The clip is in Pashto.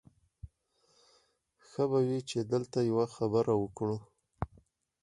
ښه به وي چې دلته یوه خبره وکړو